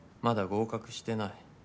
まだ合格してない。